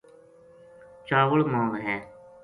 چاول ما وھے